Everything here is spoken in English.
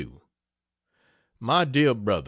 MY DEAR BRO.